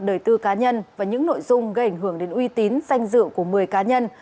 đời tư cá nhân và những nội dung gây ảnh hưởng đến uy tín danh dự của một mươi cá nhân